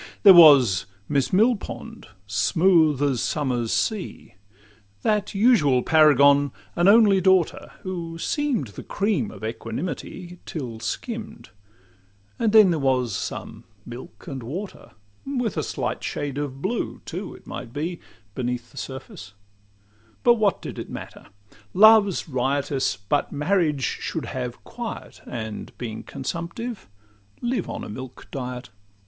There was Miss Millpond, smooth as summer's sea, That usual paragon, an only daughter, Who seem'd the cream of equanimity Till skimm'd—and then there was some milk and water, With a slight shade of blue too, it might be, Beneath the surface; but what did it matter? Love 's riotous, but marriage should have quiet, And being consumptive, live on a milk diet.